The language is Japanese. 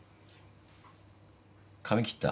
髪切った？